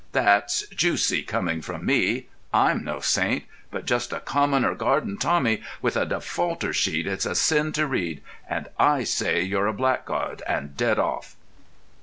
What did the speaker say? That's juicy, coming from me. I'm no saint, but just a common or garden Tommy, with a defaulter sheet it's a sin to read; and I say you're a blackguard, and dead off."